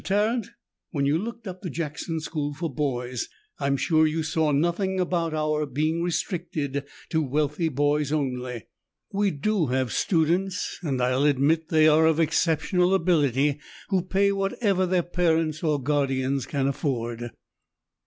Tarrant, when you looked up the Jackson School for Boys, I'm sure you saw nothing about our being restricted to wealthy boys only. We do have students, and I'll admit that they are of exceptional ability, who pay whatever their parents or guardians can afford."